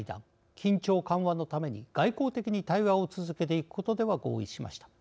緊張緩和のために外交的に対話を続けていくことでは合意しました。